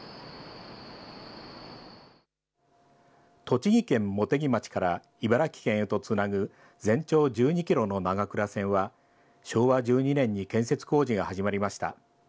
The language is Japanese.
栃木県茂木町から茨城県へとつなぐ全長１２キロの長倉線は、昭和１２年に建設工事が始まりました。